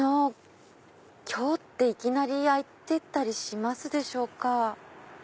今日っていきなり空いてたりしますでしょうか？